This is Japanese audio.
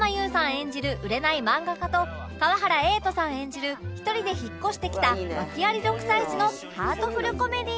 演じる売れない漫画家と川原瑛都さん演じる１人で引っ越してきた訳あり６歳児のハートフル・コメディ